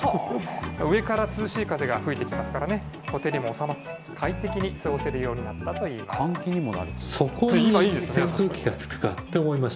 上から涼しい風が吹いてきますからね、ほてりも収まり、快適に過ごせるようになったといいます。